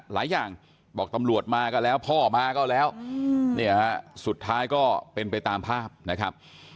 หลายอย่างบอกตำรวจมาก็แล้วพ่อมาก็แล้วเนี่ยฮะสุดท้ายก็เป็นไปตามภาพนะครับ